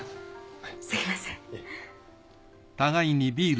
すみません。